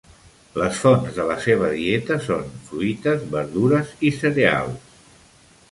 Les fonts de la seva dieta són fruites, verdures i cereals.